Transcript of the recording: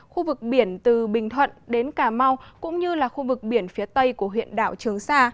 khu vực biển từ bình thuận đến cà mau cũng như là khu vực biển phía tây của huyện đảo trường sa